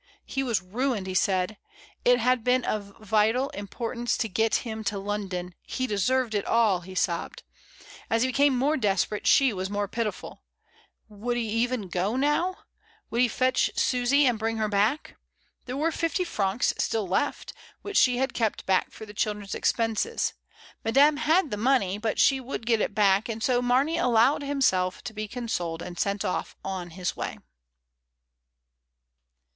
He was ruined, he said. It had been of vital im portance to him to get to London; he deserved it all, he sobbed. As he became more desperate she was more pitiful. Would he go even now? Would he fetch Susy away and bring her back? There were fifty francs still left, which she had kept back for the children's expenses. Madame had the money, but she would get it back, and so Marney allowed himself to be consoled and sent off on his way.